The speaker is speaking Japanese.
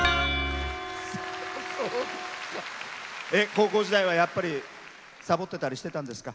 高校時代は、やっぱりサボってたりしてたんですか？